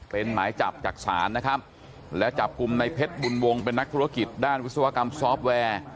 เป็นหมายจับจากศาลนะครับและจับกลุ่มในเพชรบุญวงศ์เป็นนักธุรกิจด้านวิศวกรรมซอฟต์แวร์